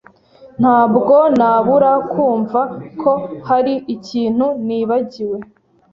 Ntabwo nabura kumva ko hari ikintu nibagiwe.